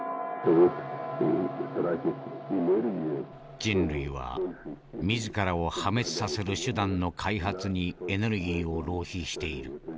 「人類は自らを破滅させる手段の開発にエネルギーを浪費している。